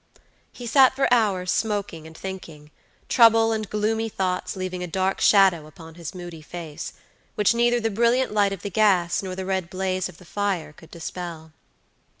He sat for hours smoking and thinkingtrouble and gloomy thoughts leaving a dark shadow upon his moody face, which neither the brilliant light of the gas nor the red blaze of the fire could dispel.